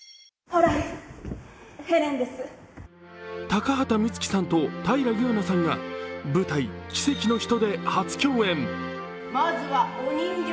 高畑充希さんと平祐奈さんが舞台「奇跡の人」で初共演。